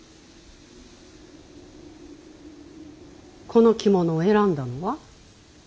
この着物を選んだのは？